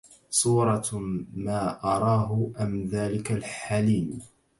صورة ما أراه أم ذاك حلم